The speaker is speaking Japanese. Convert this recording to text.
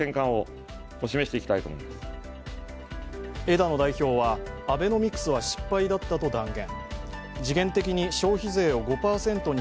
枝野代表は、アベノミクスは失敗だったと断言。